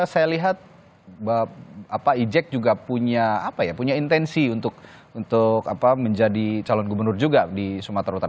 kita lihat pak ijek juga punya apa ya punya intensi untuk menjadi calon gubernur juga di sumatera utara